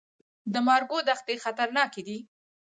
د مارګو دښتې خطرناکې دي؟